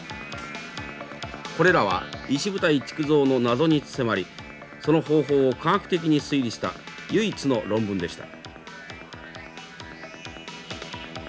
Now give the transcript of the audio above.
これらは石舞台築造の謎に迫りその方法を科学的に推理した唯一の論文でした。